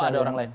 ada orang lain